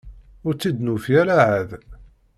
Ur tt-id-nufi ara ɛad.